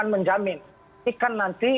menjamin ini kan nanti